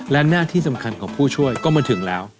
และหน้าที่สำคัญของผู้ช่วยก็มาถึงแล้ว